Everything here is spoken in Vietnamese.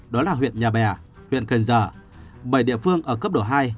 đó là huyện nhà bè huyện cần giờ bảy địa phương ở cấp độ hai